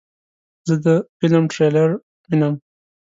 زه د فلم ټریلر وینم.